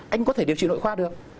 anh có thể điều trị nội khoa được